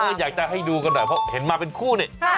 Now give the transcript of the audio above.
ก็อยากจะให้ดูกันหน่อยเพราะเห็นมาเป็นคู่นี่